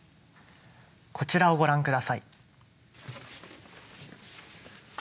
こちらをご覧下さい。